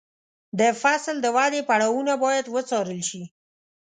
د فصل د ودې پړاوونه باید وڅارل شي.